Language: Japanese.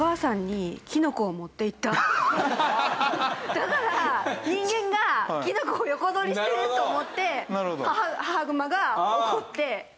だから人間がキノコを横取りしてると思って母グマが怒って攻撃しにきた。